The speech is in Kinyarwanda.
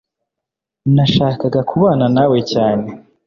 nashakaga kubana nawe cyane